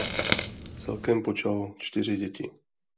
Celkem počal čtyři děti.